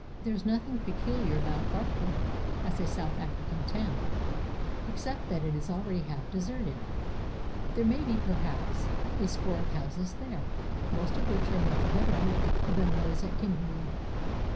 There is nothing peculiar about Barkly as a South African town, except that it is already half deserted. There may be perhaps a score of houses there, most of which are much better built than those at Kim berley.